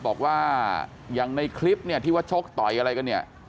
บอกว่าอย่างในคลิปเนี่ยที่ว่าชกต่อยอะไรกันเนี่ย